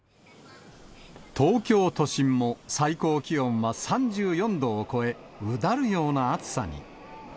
東京都心も最高気温は３４度を超え、うだるような暑さに。